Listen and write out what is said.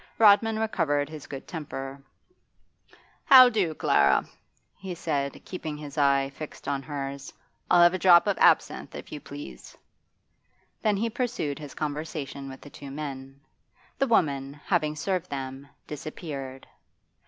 Rodman recovered his good temper. 'How do, Clara?' he said, keeping his eye fixed on hers. 'I'll have a drop of absinthe, if you please.' Then he pursued his conversation with the two men. The woman, having served them, disappeared.